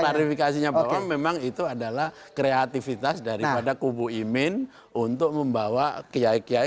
klarifikasinya bahwa memang itu adalah kreativitas daripada kubu imin untuk membawa kiai kiai